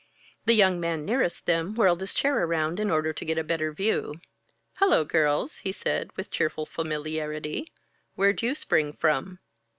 The young man nearest them whirled his chair around in order to get a better view. "Hello, girls!" he said with cheerful familiarity. "Where'd you spring from?"